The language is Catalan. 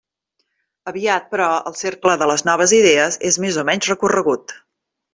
Aviat, però, el cercle de les noves idees és més o menys recorregut.